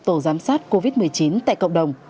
tổ giám sát covid một mươi chín tại cộng đồng